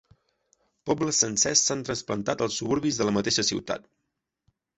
Pobles sencers s'han trasplantat als suburbis de la mateixa ciutat.